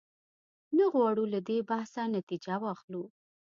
نه غواړو له دې بحثه نتیجه واخلو.